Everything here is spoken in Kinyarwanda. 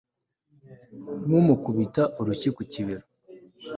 Nkumukubita urushyi ku kibero